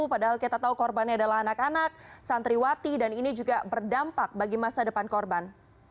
padahal kita tahu korbannya adalah anak anak santriwati dan ini juga berdampak bagi masa depan korban